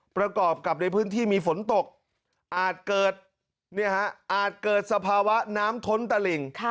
ประกอบกับในพื้นที่มีฝนตกอาจเกิดอาจเกิดสภาวะน้ำท้นตะหลิ่ง